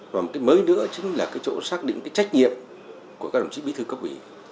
và một cái mới nữa chính là cái chỗ xác định cái trách nhiệm của các đồng chí bí thư cấp ủy